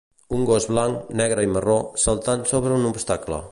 Un gos blanc, negre i marró saltant sobre un obstacle.